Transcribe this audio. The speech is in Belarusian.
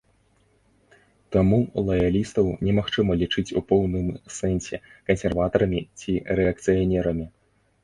Таму лаялістаў не магчыма лічыць у поўным сэнсе кансерватарамі ці рэакцыянерамі.